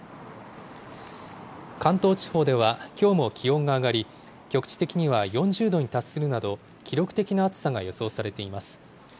関東地方ではきょうも気温が上がり、局地的には４０度に達するなど、記録的な暑さが予想されています。